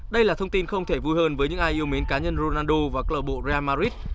đây là thông tin không thể vui hơn với những ai yêu mến cá nhân ronaldo và club real madrid